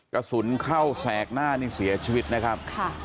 กระสุนเข้าแสกหน้านี่เสียชีวิตนะครับ